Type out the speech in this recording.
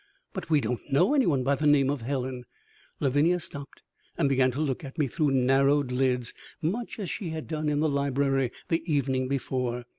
"But we don't know anyone by the name of Helen " Lavinia stopped and began to look at me through narrowed lids much as she had done in the library the evening before.